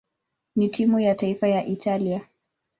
na timu ya taifa ya Italia.